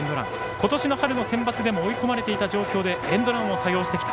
今年の春のセンバツでも追い込まれていた状況でエンドランを多用してきた。